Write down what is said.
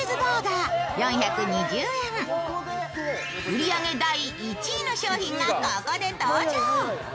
売り上げ第１位の商品がここで登場。